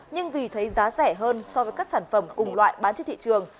nhưng vì thấy giá rẻ hơn so với các sản phẩm cùng loại bán trên thị trường